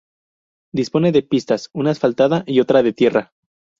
Dispone de pistas, una asfaltada y otra de tierra.